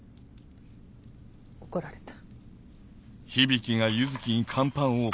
怒られた。